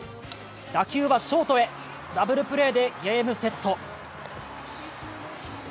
打球はショートへダブルプレーでゲームセット。